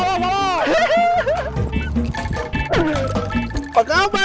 bagaimana dengan kamu